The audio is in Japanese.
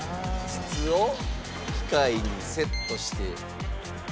筒を機械にセットして。